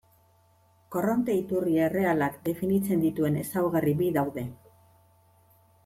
Korronte iturri errealak definitzen dituen ezaugarri bi daude.